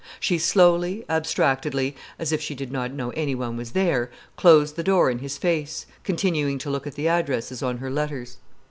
She slowly, abstractedly, as if she did not know anyone was there, closed the door in his face, continuing to look at the addresses on her letters.